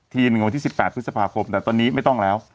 วันที่๑๘พฤษภาคมแต่ตอนนี้ไม่ต้องแล้ว